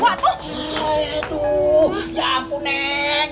aduh ya ampun neng